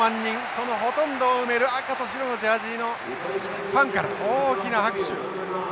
そのほとんどを埋める赤と白のジャージのファンから大きな拍手。